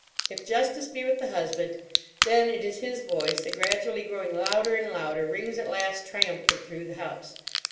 If justice be with the husband, then it is his voice that, gradually growing louder and louder, rings at last triumphant through the house.